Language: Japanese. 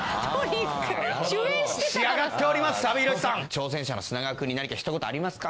挑戦者の砂川くんに何かひと言ありますか？